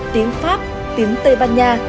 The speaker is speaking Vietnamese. tiếng pháp tiếng tây ban nha